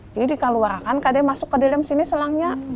jadi dikeluarkan kadang masuk ke dalam sini selangnya